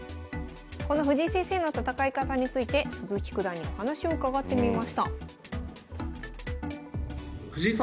この藤井先生の戦い方について鈴木九段にお話を伺ってみました。